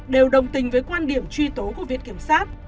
đều đồng tình với quan điểm truy tố của viện kiểm sát